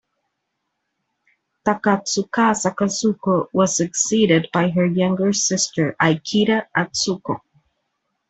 Takatsukasa Kazuko was succeeded by her younger sister, Ikeda Atsuko.